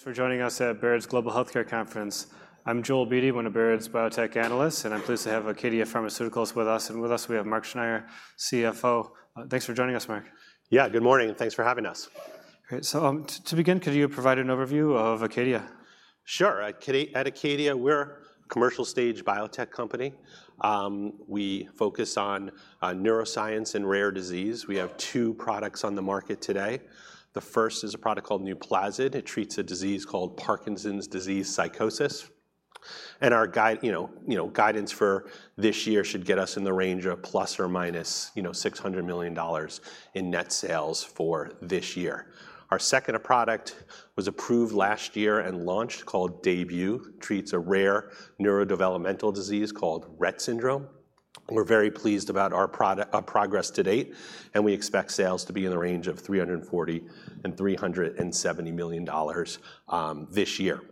Thanks for joining us at Baird's Global Healthcare Conference. I'm Joel Beatty, one of Baird's biotech analysts, and I'm pleased to have Acadia Pharmaceuticals with us, and with us, we have Mark Schneyer, CFO. Thanks for joining us, Mark. Yeah, good morning, and thanks for having us. Great. So, to begin, could you provide an overview of Acadia? Sure. At Acadia, we're a commercial-stage biotech company. We focus on neuroscience and rare disease. We have two products on the market today. The first is a product called Nuplazid. It treats a disease called Parkinson's disease psychosis, and our guidance, you know, for this year should get us in the range of plus or minus $600 million in net sales for this year. Our second product was approved last year and launched, called Daybue, treats a rare neurodevelopmental disease called Rett syndrome. We're very pleased about our progress to date, and we expect sales to be in the range of $340 million and $370 million this year.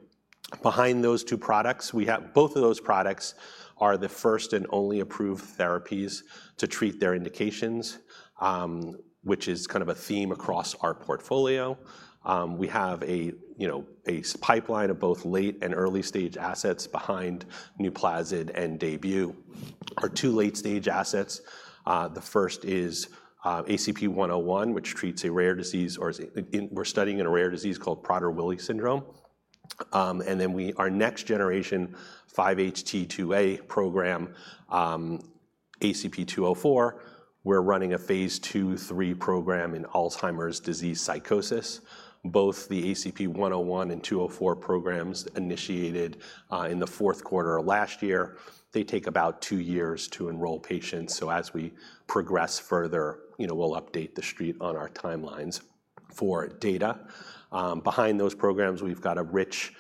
Behind those two products, we have. Both of those products are the first and only approved therapies to treat their indications, which is kind of a theme across our portfolio. We have, you know, a pipeline of both late and early-stage assets behind Nuplazid and Daybue. Our two late-stage assets, the first is ACP-101, which treats a rare disease. We're studying in a rare disease called Prader-Willi syndrome. And then our next generation, 5-HT2A program, ACP-204, we're running a phase II/III program in Alzheimer's disease psychosis. Both the ACP-101 and ACP-204 programs initiated in the fourth quarter of last year. They take about two years to enroll patients, so as we progress further, you know, we'll update the street on our timelines for data. Behind those programs, we've got a rich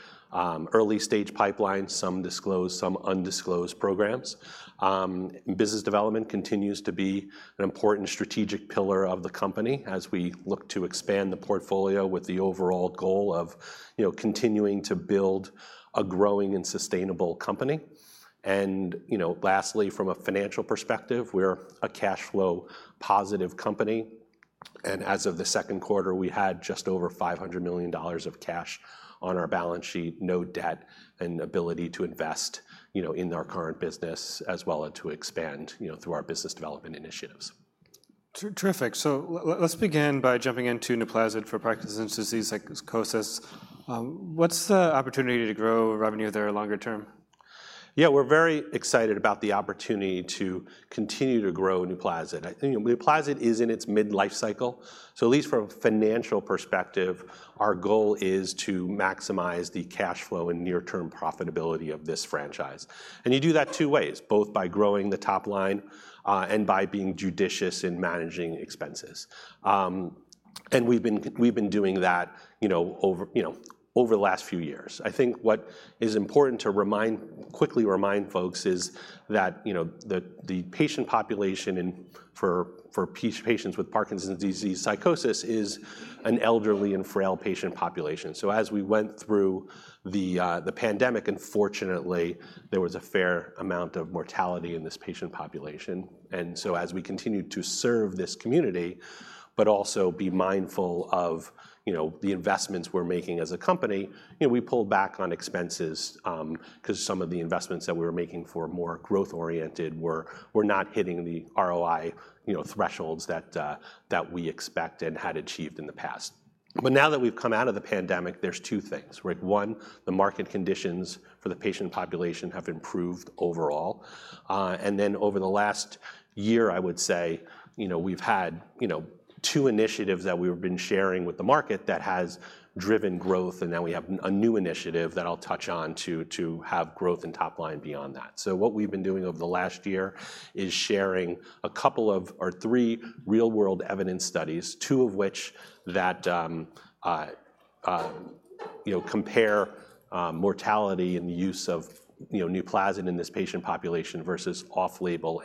early-stage pipeline, some disclosed, some undisclosed programs. Business development continues to be an important strategic pillar of the company as we look to expand the portfolio with the overall goal of, you know, continuing to build a growing and sustainable company, and, you know, lastly, from a financial perspective, we're a cash flow positive company, and as of the second quarter, we had just over $500 million of cash on our balance sheet, no debt, and ability to invest, you know, in our current business, as well as to expand, you know, through our business development initiatives. Terrific. So let's begin by jumping into Nuplazid for Parkinson's disease psychosis. What's the opportunity to grow revenue there longer term? Yeah, we're very excited about the opportunity to continue to grow Nuplazid. I think Nuplazid is in its mid-life cycle, so at least from a financial perspective, our goal is to maximize the cash flow and near-term profitability of this franchise, and you do that two ways: both by growing the top line, and by being judicious in managing expenses. And we've been doing that, you know, over the last few years. I think what is important to quickly remind folks is that, you know, the patient population for patients with Parkinson's disease psychosis is an elderly and frail patient population. So as we went through the pandemic, unfortunately, there was a fair amount of mortality in this patient population. And so as we continued to serve this community, but also be mindful of, you know, the investments we're making as a company, you know, we pulled back on expenses, 'cause some of the investments that we were making for more growth-oriented were not hitting the ROI, you know, thresholds that we expect and had achieved in the past. But now that we've come out of the pandemic, there's two things, right? One, the market conditions for the patient population have improved overall, and then over the last year, I would say, you know, we've had, you know, two initiatives that we've been sharing with the market that has driven growth, and now we have a new initiative that I'll touch on to have growth and top line beyond that. So what we've been doing over the last year is sharing a couple of, or three real-world evidence studies, two of which that, you know, compare mortality and the use of, you know, Nuplazid in this patient population versus off-label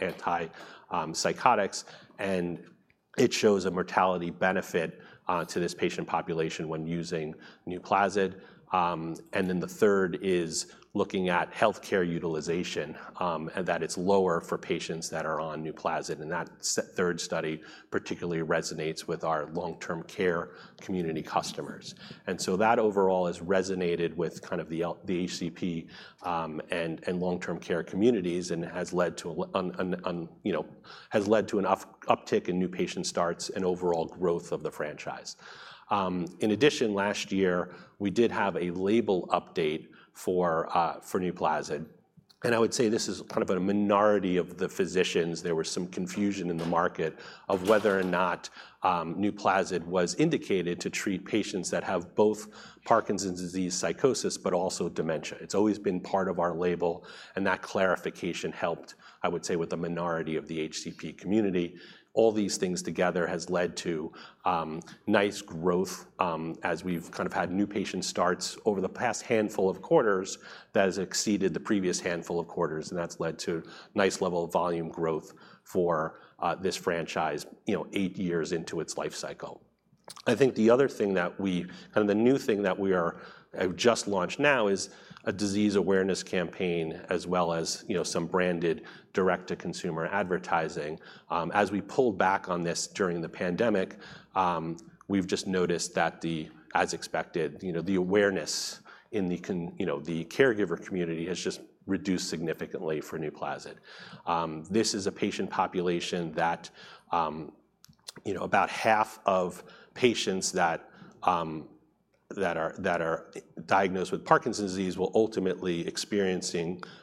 antipsychotics, and it shows a mortality benefit to this patient population when using Nuplazid. And then the third is looking at healthcare utilization, and that it's lower for patients that are on Nuplazid, and that third study particularly resonates with our long-term care community customers. And so that overall has resonated with kind of the HCP and long-term care communities and has led to an, you know, uptick in new patient starts and overall growth of the franchise. In addition, last year, we did have a label update for for Nuplazid, and I would say this is kind of a minority of the physicians. There was some confusion in the market of whether or not, Nuplazid was indicated to treat patients that have both Parkinson's disease psychosis, but also dementia. It's always been part of our label, and that clarification helped, I would say, with the minority of the HCP community. All these things together has led to, nice growth, as we've kind of had new patient starts over the past handful of quarters that has exceeded the previous handful of quarters, and that's led to nice level of volume growth for, this franchise, you know, eight years into its life cycle. I think the other thing that we and the new thing that we are have just launched now is a disease awareness campaign, as well as, you know, some branded direct-to-consumer advertising. As we pulled back on this during the pandemic, we've just noticed that, as expected, you know, the awareness in the caregiver community has just reduced significantly for NUPLAZID. This is a patient population that, you know, about half of patients that are diagnosed with Parkinson's disease will ultimately experience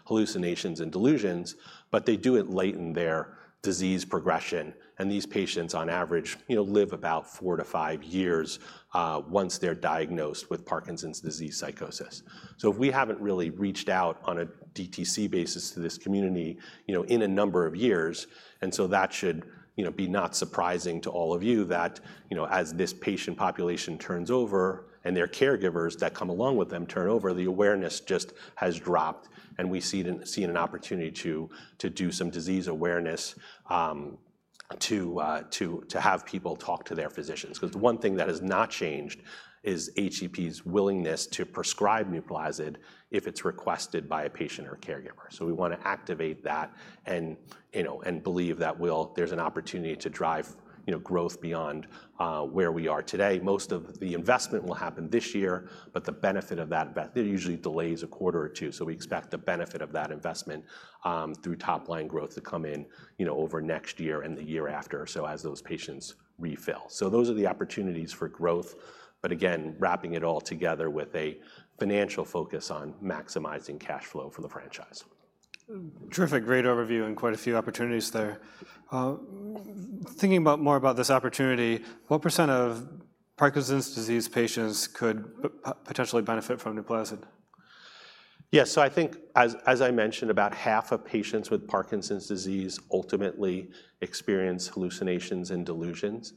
hallucinations and delusions, but they do it late in their disease progression, and these patients, on average, you know, live about four to five years once they're diagnosed with Parkinson's disease psychosis. So we haven't really reached out on a DTC basis to this community, you know, in a number of years, and so that should, you know, be not surprising to all of you that, you know, as this patient population turns over, and their caregivers that come along with them turn over, the awareness just has dropped, and we see an opportunity to do some disease awareness, to have people talk to their physicians. 'Cause the one thing that has not changed is HCP's willingness to prescribe Nuplazid if it's requested by a patient or caregiver. So we wanna activate that and, you know, and believe that there's an opportunity to drive, you know, growth beyond where we are today. Most of the investment will happen this year, but the benefit of that bet... It usually delays a quarter or two, so we expect the benefit of that investment through top-line growth to come in, you know, over next year and the year after, so as those patients refill. So those are the opportunities for growth, but again, wrapping it all together with a financial focus on maximizing cash flow for the franchise. Terrific. Great overview, and quite a few opportunities there. Thinking more about this opportunity, what % of Parkinson's disease patients could potentially benefit from Nuplazid? Yeah, so I think, as I mentioned, about half of patients with Parkinson's disease ultimately experience hallucinations and delusions.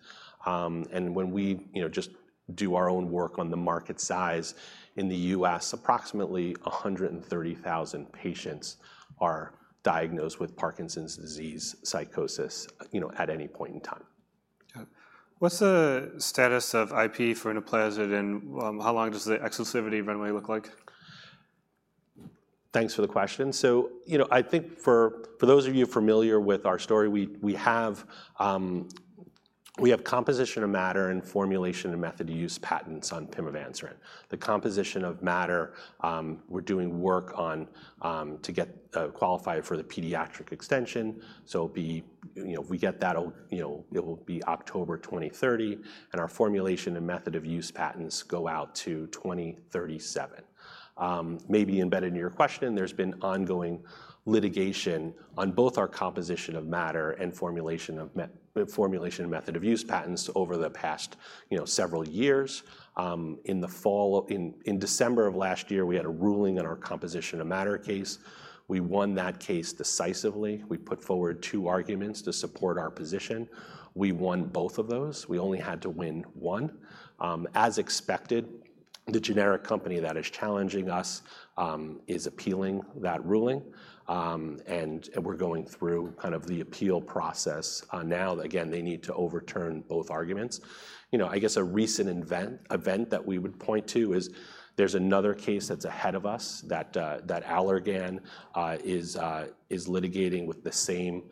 When we, you know, just do our own work on the market size, in the U.S., approximately 130,000 patients are diagnosed with Parkinson's disease psychosis, you know, at any point in time. Okay. What's the status of IP for Nuplazid, and how long does the exclusivity runway look like? Thanks for the question. So, you know, I think for those of you familiar with our story, we have composition of matter and formulation and method of use patents on pimavanserin. The composition of matter, we're doing work on to get qualified for the pediatric extension, so it'll be. You know, if we get that, it'll, you know, it will be October 2030, and our formulation and method of use patents go out to 2037. Maybe embedded in your question, there's been ongoing litigation on both our composition of matter and formulation and method of use patents over the past, you know, several years. In December of last year, we had a ruling on our composition of matter case. We won that case decisively. We put forward two arguments to support our position. We won both of those. We only had to win one. As expected, the generic company that is challenging us is appealing that ruling, and we're going through kind of the appeal process now. Again, they need to overturn both arguments. You know, I guess a recent event that we would point to is there's another case that's ahead of us that Allergan is litigating with the same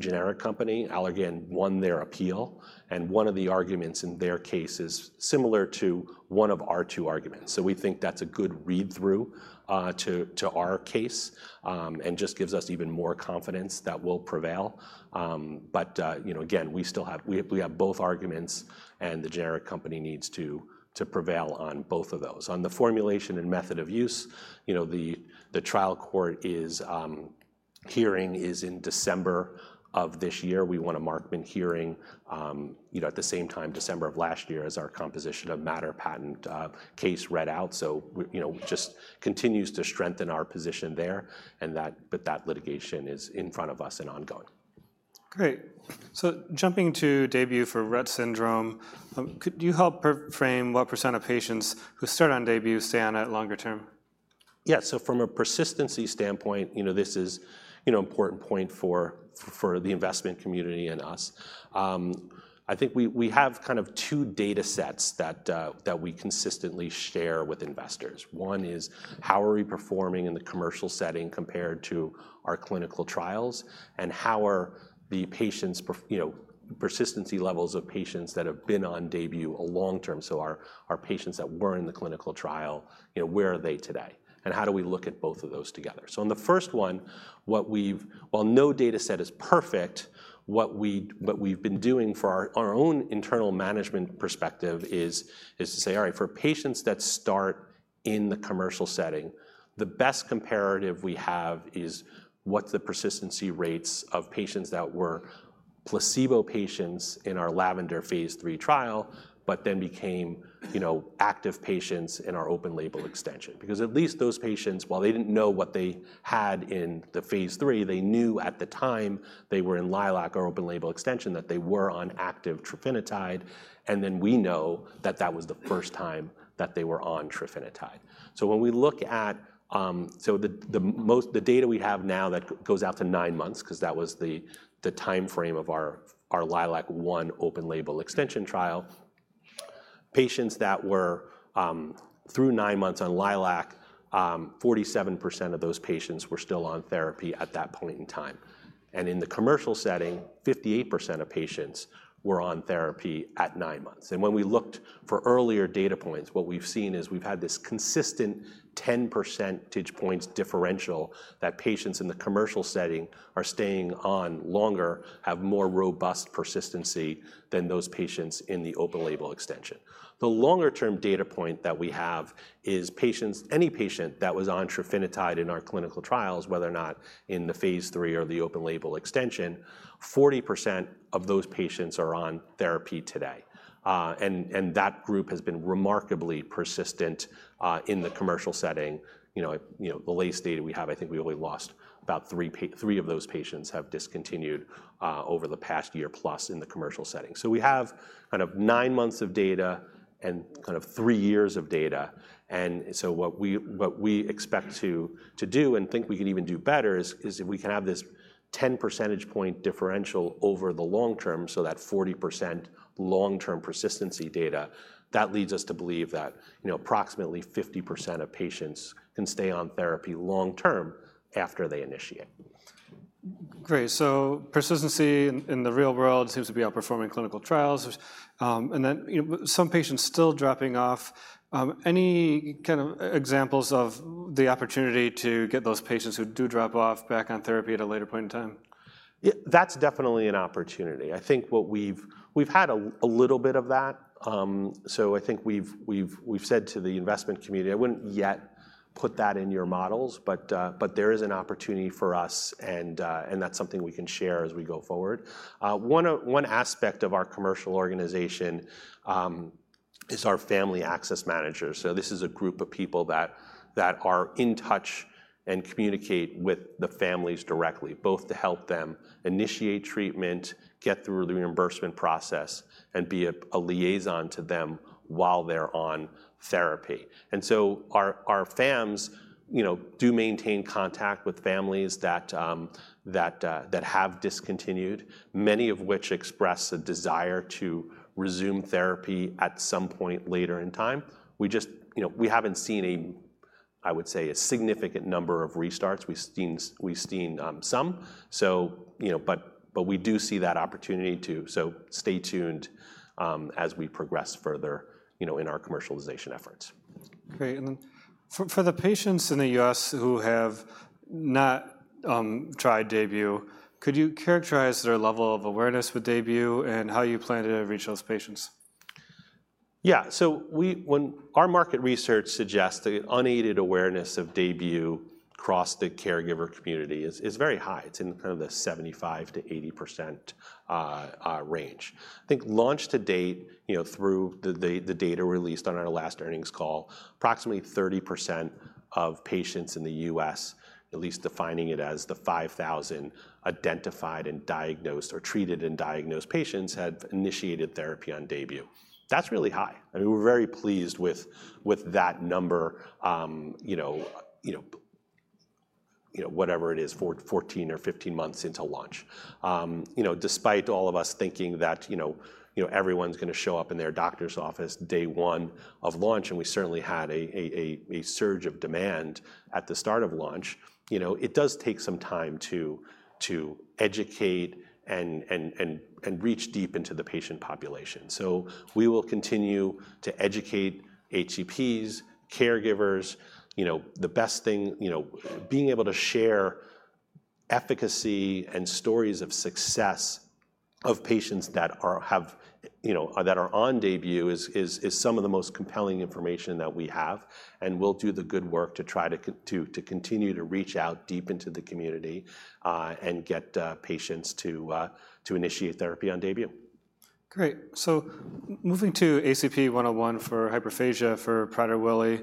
generic company. Allergan won their appeal, and one of the arguments in their case is similar to one of our two arguments, so we think that's a good read-through to our case and just gives us even more confidence that we'll prevail. But you know, again, we still have... We have both arguments, and the generic company needs to prevail on both of those. On the formulation and method of use, you know, the trial court hearing is in December of this year. We want a Markman hearing, you know, at the same time December of last year as our composition of matter patent case read out, so you know, just continues to strengthen our position there, and but that litigation is in front of us and ongoing. Great. So jumping to Daybue for Rett syndrome, could you help frame what % of patients who start on Daybue stay on it longer term? Yeah. So from a persistency standpoint, you know, this is, you know, an important point for the investment community and us. I think we have kind of two datasets that we consistently share with investors. One is, how are we performing in the commercial setting compared to our clinical trials, and how are the patients' you know, persistency levels of patients that have been on Daybue long term? So our patients that were in the clinical trial, you know, where are they today, and how do we look at both of those together? So in the first one, what we've... While no dataset is perfect, what we've been doing for our own internal management perspective is to say, "All right, for patients that start in the commercial setting, the best comparative we have is: What's the persistency rates of patients that were placebo patients in our LAVENDER phase III trial but then became, you know, active patients in our open-label extension?" Because at least those patients, while they didn't know what they had in the phase III, they knew at the time they were in LILAC or open-label extension, that they were on active trofinetide, and then we know that that was the first time that they were on trofinetide. So when we look at the data we have now, that goes out to nine months 'cause that was the timeframe of our LILAC-1 open-label extension trial. Patients that were through nine months on LILAC, 47% of those patients were still on therapy at that point in time, and in the commercial setting, 58% of patients were on therapy at nine months. And when we looked for earlier data points, what we've seen is we've had this consistent ten percentage points differential that patients in the commercial setting are staying on longer, have more robust persistency than those patients in the open-label extension. The longer-term data point that we have is patients, any patient that was on trofinetide in our clinical trials, whether or not in the phase III or the open-label extension, 40% of those patients are on therapy today, and that group has been remarkably persistent in the commercial setting. You know, the latest data we have, I think we only lost about three of those patients have discontinued over the past year plus in the commercial setting. So we have kind of nine months of data and kind of three years of data, and so what we expect to do and think we can even do better is if we can have this 10 percentage point differential over the long term, so that 40% long-term persistency data, that leads us to believe that, you know, approximately 50% of patients can stay on therapy long term after they initiate. Great, so persistency in the real world seems to be outperforming clinical trials, and then, you know, some patients still dropping off. Any kind of examples of the opportunity to get those patients who do drop off back on therapy at a later point in time? Yeah, that's definitely an opportunity. I think what we've had a little bit of that. So I think we've said to the investment community, "I wouldn't yet put that in your models, but there is an opportunity for us, and that's something we can share as we go forward." One aspect of our commercial organization is our Family Access Manager. So this is a group of people that are in touch and communicate with the families directly, both to help them initiate treatment, get through the reimbursement process, and be a liaison to them while they're on therapy. And so our FAMs, you know, do maintain contact with families that have discontinued, many of which express a desire to resume therapy at some point later in time. We just, you know, we haven't seen a, I would say, a significant number of restarts. We've seen some, so, you know, but we do see that opportunity, too. So stay tuned as we progress further, you know, in our commercialization efforts. Great. And then for the patients in the U.S. who have not tried Daybue, could you characterize their level of awareness with Daybue and how you plan to reach those patients? Yeah. So when our market research suggests the unaided awareness of Daybue across the caregiver community is very high. It's in kind of the 75%-80% range. I think launch to date, you know, through the data released on our last earnings call, approximately 30% of patients in the U.S., at least defining it as the 5,000 identified and diagnosed or treated and diagnosed patients, have initiated therapy on Daybue. That's really high, and we're very pleased with that number, you know, whatever it is, 14 or 15 months into launch. You know, despite all of us thinking that, you know, you know, everyone's gonna show up in their doctor's office day one of launch, and we certainly had a surge of demand at the start of launch, you know, it does take some time to educate and reach deep into the patient population. So we will continue to educate HCPs, caregivers. You know, the best thing, you know, being able to share efficacy and stories of success of patients that are on Daybue is some of the most compelling information that we have, and we'll do the good work to try to continue to reach out deep into the community and get patients to initiate therapy on Daybue. Great. So moving to ACP-101 for hyperphagia for Prader-Willi,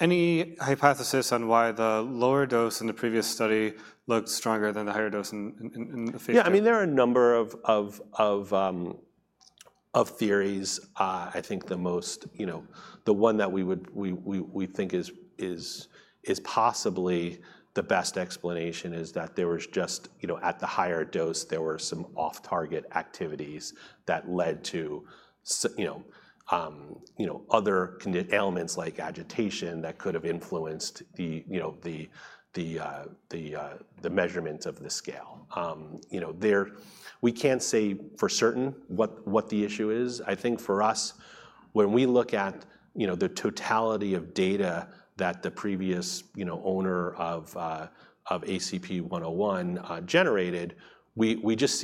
any hypothesis on why the lower dose in the previous study looked stronger than the higher dose in the phase III? Yeah, I mean, there are a number of theories. I think the most, you know, the one that we think is possibly the best explanation is that there was just, you know, at the higher dose, there were some off-target activities that led to, you know, other conditions, ailments like agitation that could have influenced the, you know, the measurement of the scale. You know, we can't say for certain what the issue is. I think for us, when we look at, you know, the totality of data that the previous owner of ACP-101 generated, we just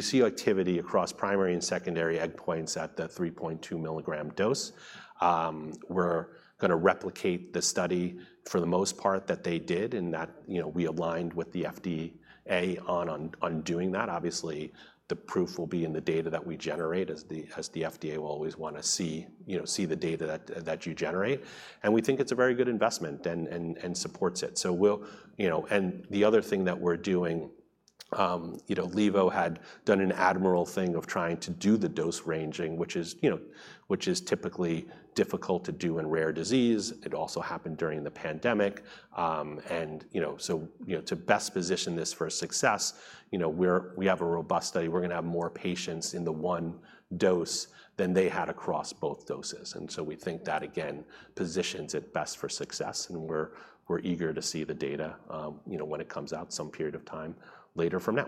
see activity across primary and secondary endpoint at the 3.2 milligram dose. We're gonna replicate the study for the most part that they did, and that, you know, we aligned with the FDA on, on doing that. Obviously, the proof will be in the data that we generate, as the FDA will always wanna see, you know, see the data that you generate. And we think it's a very good investment and supports it. So we'll, you know. And the other thing that we're doing, you know, Levo had done an admirable thing of trying to do the dose ranging, which is, you know, which is typically difficult to do in rare disease. It also happened during the pandemic, and, you know, so, you know, to best position this for success, you know, we have a robust study. We're gonna have more patients in the one dose than they had across both doses, and so we think that, again, positions it best for success, and we're eager to see the data, you know, when it comes out some period of time later from now.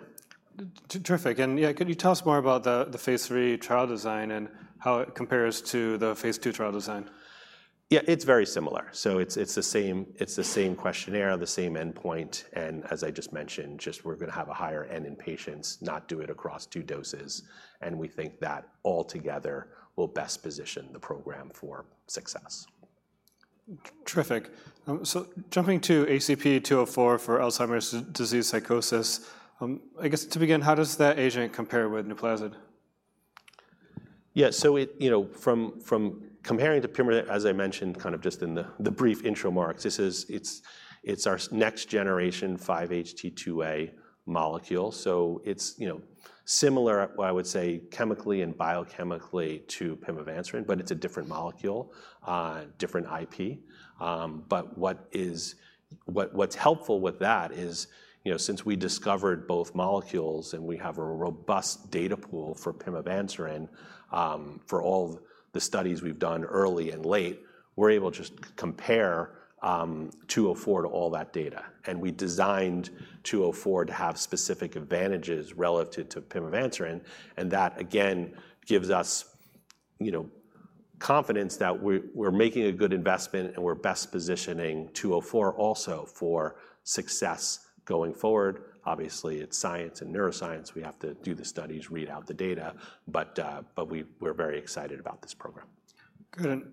Terrific. And, yeah, could you tell us more about the phase III trial design and how it compares to the phase II trial design? Yeah, it's very similar. So it's the same questionnaire, the same endpoint, and as I just mentioned, just we're gonna have a higher n in patients, not do it across two doses, and we think that altogether will best position the program for success. Terrific. So jumping to ACP-204 for Alzheimer's disease psychosis, I guess to begin, how does that agent compare with Nuplazid? Yeah, so from comparing to pimavanserin, as I mentioned, kind of just in the brief intro, Mark's, this is it. It's our next generation 5-HT2A molecule. So it's, you know, similar, I would say, chemically and biochemically to pimavanserin, but it's a different molecule, different IP. But what's helpful with that is, you know, since we discovered both molecules and we have a robust data pool for pimavanserin, for all the studies we've done early and late, we're able to just compare 204 to all that data. We designed 204 to have specific advantages relative to pimavanserin, and that, again, gives us, you know, confidence that we're making a good investment, and we're best positioning 204 also for success going forward. Obviously, it's science and neuroscience. We have to do the studies, read out the data, but we're very excited about this program. Good.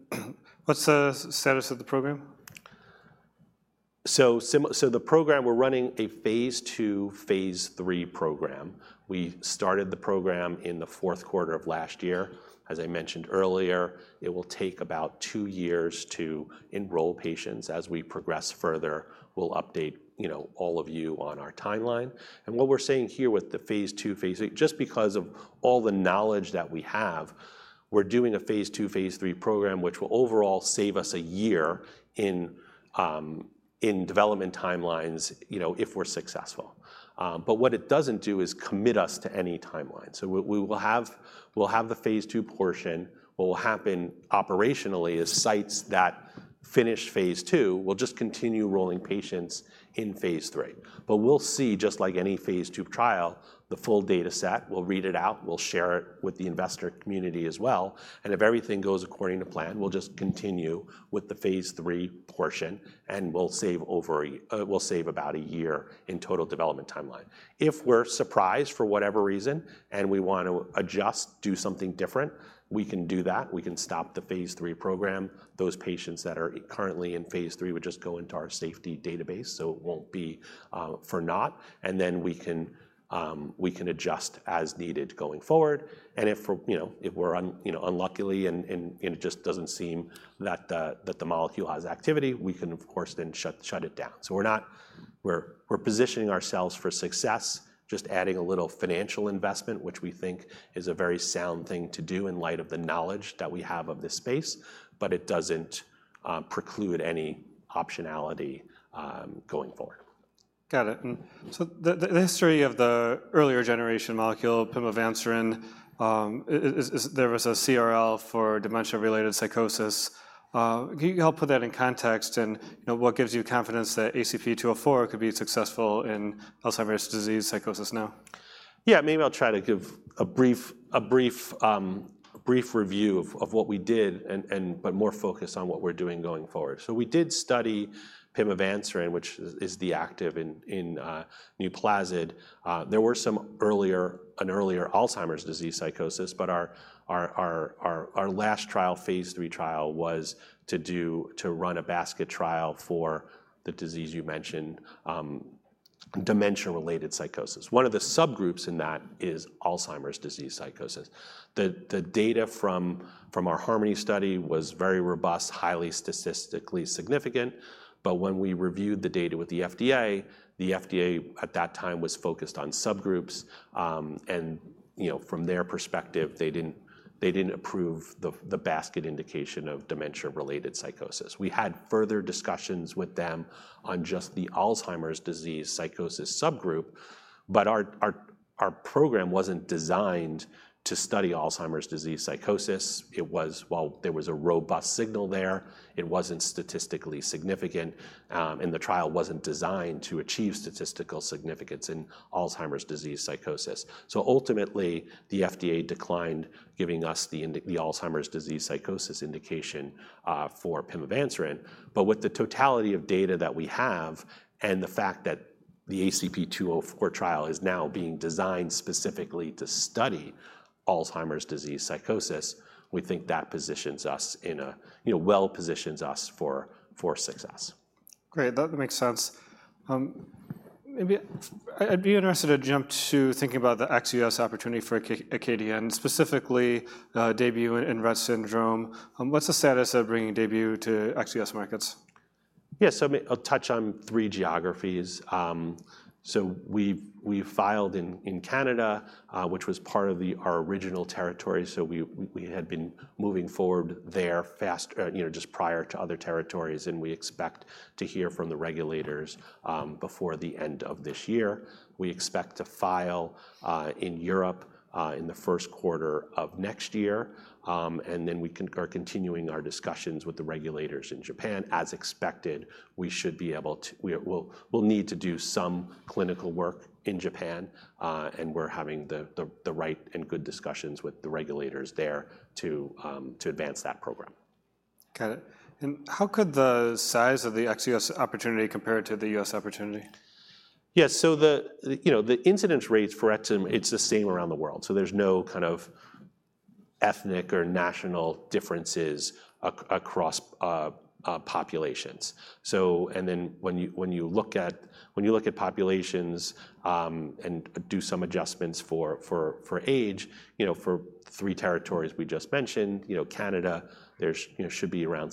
What's the status of the program? So, the program, we're running a phase II, phase III program. We started the program in the fourth quarter of last year. As I mentioned earlier, it will take about two years to enroll patients. As we progress further, we'll update, you know, all of you on our timeline. And what we're saying here with the phase II, phase... just because of all the knowledge that we have, we're doing a phase II, phase III program, which will overall save us a year in development timelines, you know, if we're successful. But what it doesn't do is commit us to any timeline. We will have the phase II portion. What will happen operationally is sites that finish phase II will just continue enrolling patients in phase III. But we'll see, just like any phase II trial, the full data set. We'll read it out, we'll share it with the investor community as well, and if everything goes according to plan, we'll just continue with the phase III portion, and we'll save over a year in total development timeline. If we're surprised for whatever reason, and we want to adjust, do something different, we can do that. We can stop the phase III program. Those patients that are currently in phase III would just go into our safety database, so it won't be for naught, and then we can adjust as needed going forward. And if, you know, if we're unluckily and it just doesn't seem that the molecule has activity, we can, of course, then shut it down. We're positioning ourselves for success, just adding a little financial investment, which we think is a very sound thing to do in light of the knowledge that we have of this space, but it doesn't preclude any optionality going forward. Got it. And so the history of the earlier generation molecule, pimavanserin, is that there was a CRL for dementia-related psychosis. Can you help put that in context, and, you know, what gives you confidence that ACP-204 could be successful in Alzheimer's disease psychosis now? Yeah, maybe I'll try to give a brief review of what we did and but more focused on what we're doing going forward. So we did study pimavanserin, which is the active in Nuplazid. There were some earlier Alzheimer's disease psychosis, but our last trial, phase III trial, was to run a basket trial for the disease you mentioned, dementia-related psychosis. One of the subgroups in that is Alzheimer's disease psychosis. The data from our HARMONY study was very robust, highly statistically significant, but when we reviewed the data with the FDA, the FDA at that time was focused on subgroups. You know, from their perspective, they didn't approve the basket indication of dementia-related psychosis. We had further discussions with them on just the Alzheimer's disease psychosis subgroup, but our program wasn't designed to study Alzheimer's disease psychosis. While there was a robust signal there, it wasn't statistically significant, and the trial wasn't designed to achieve statistical significance in Alzheimer's disease psychosis. So ultimately, the FDA declined giving us the Alzheimer's disease psychosis indication for pimavanserin. But with the totality of data that we have and the fact that the ACP-204 trial is now being designed specifically to study Alzheimer's disease psychosis, we think that positions us in a, you know, well positions us for success. Great. That makes sense. Maybe I'd be interested to jump to thinking about the ex-US opportunity for Acadia, specifically, Daybue in Rett syndrome. What's the status of bringing Daybue to ex-US markets? Yeah, so maybe I'll touch on three geographies. So we've filed in Canada, which was part of our original territory, so we had been moving forward there fast, you know, just prior to other territories, and we expect to hear from the regulators before the end of this year. We expect to file in Europe in the first quarter of next year. And then we are continuing our discussions with the regulators in Japan. As expected, we'll need to do some clinical work in Japan, and we're having the right and good discussions with the regulators there to advance that program. Got it. And how could the size of the ex-U.S. opportunity compare to the U.S. opportunity? Yeah, so the, you know, the incidence rates for eczema, it's the same around the world, so there's no kind of ethnic or national differences across populations. So and then, when you look at populations, and do some adjustments for age, you know, for three territories we just mentioned, you know, Canada, there's, you know, should be around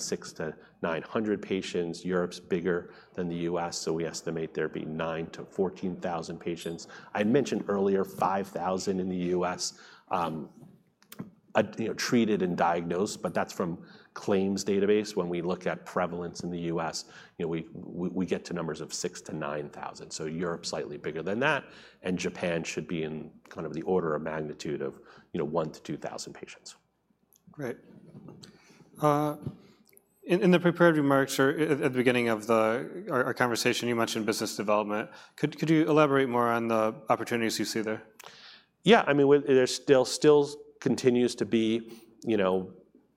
600-900 patients. Europe's bigger than the U.S., so we estimate there be 9,000-14,000 patients. I mentioned earlier, 5,000 in the U.S., you know, treated and diagnosed, but that's from claims database. When we look at prevalence in the U.S., you know, we get to numbers of 6,000-9,000, so Europe's slightly bigger than that, and Japan should be in kind of the order of magnitude of, you know, 1,000-2,000 patients. Great. In the prepared remarks or at the beginning of our conversation, you mentioned business development. Could you elaborate more on the opportunities you see there? Yeah. I mean, there still continues to be, you know.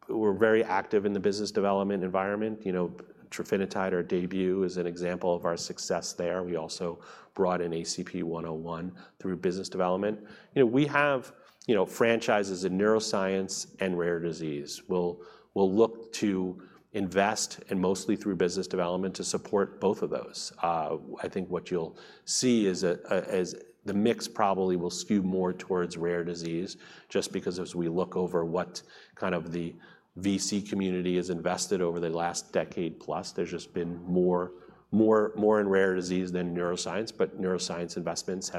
We're very active in the business development environment. You know, trofinetide or Daybue is an example of our success there. We also brought in ACP-101 through business development. You know, we have, you know, franchises in neuroscience and rare disease. We'll look to invest, and mostly through business development, to support both of those. I think what you'll see is the mix probably will skew more towards rare disease, just because as we look over what kind of the VC community has invested over the last decade plus, there's just been more in rare disease than neuroscience. But neuroscience investments,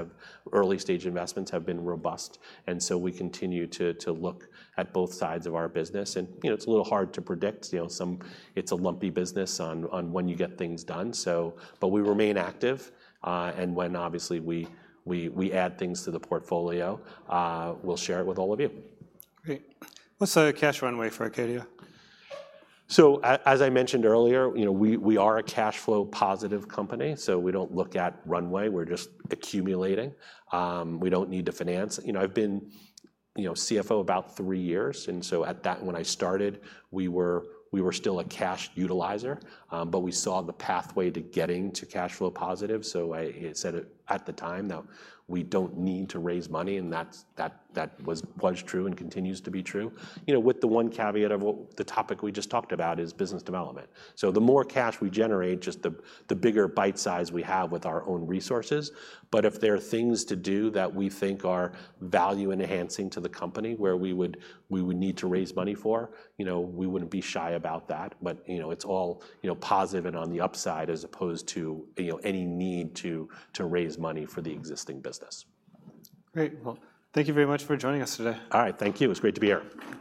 early-stage investments have been robust, and so we continue to look at both sides of our business. And, you know, it's a little hard to predict, you know, some... It's a lumpy business on when you get things done, so but we remain active, and when, obviously, we add things to the portfolio, we'll share it with all of you. Great. What's the cash runway for Acadia? As I mentioned earlier, you know, we are a cash flow positive company, so we don't look at runway. We're just accumulating. We don't need to finance. You know, I've been CFO about three years, and so when I started, we were still a cash utilizer, but we saw the pathway to getting to cash flow positive. So I said it at the time, that we don't need to raise money, and that's that was true and continues to be true. You know, with the one caveat of what the topic we just talked about is business development. So the more cash we generate, just the bigger bite size we have with our own resources. But if there are things to do that we think are value-enhancing to the company, where we would need to raise money for, you know, we wouldn't be shy about that. But, you know, it's all, you know, positive and on the upside, as opposed to, you know, any need to raise money for the existing business. Great. Well, thank you very much for joining us today. All right. Thank you. It's great to be here.